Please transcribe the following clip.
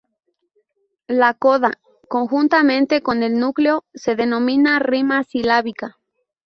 La coda, conjuntamente con el núcleo, se denomina rima silábica.